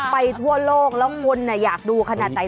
ทั่วโลกแล้วคนอยากดูขนาดไหน